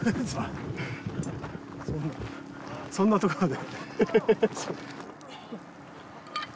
そんなとこまで？